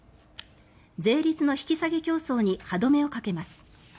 税率の引き下げ競争に歯止めをかけます。